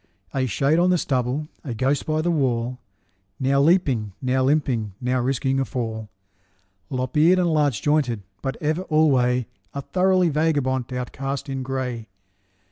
A shade on the stubble, a ghost by the wall, Now leaping, now limping, now risking a fall, Lop eared and large jointed, but ever alway A thoroughly vagabond outcast in gray.